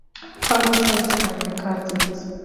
How distant are the cousins?